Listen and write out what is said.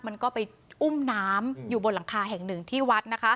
มันก็ไปอุ้มน้ำอยู่บนหลังคาแห่งหนึ่งที่วัดนะคะ